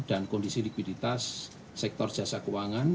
dan kondisi likuiditas sektor jasa keuangan